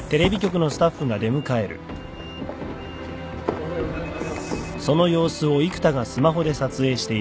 おはようございます。